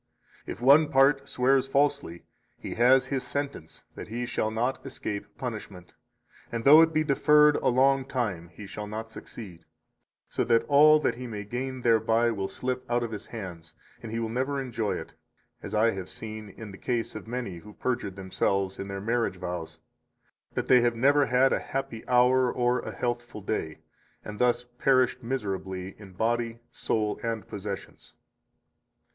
67 If one part swears falsely, he has his sentence that he shall not escape punishment, and though it be deferred a long time, he shall not succeed; so that all that he may gain thereby will slip out of his hands, and he will never enjoy it; 68 as I have seen in the case of many who perjured themselves in their marriage vows, that they have never had a happy hour or a healthful day, and thus perished miserably in body, soul, and possessions.